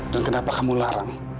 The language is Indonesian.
dan kenapa kamu larang